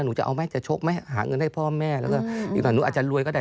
หนูจะเอาไหมจะชกไหมหาเงินให้พ่อแม่แล้วก็อยู่ต่อหนูอาจจะรวยก็ได้